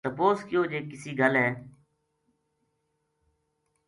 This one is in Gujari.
تپوس کیو جے کِسی گل ہے